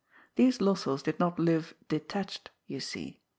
These Lossells did not live " detached," you see.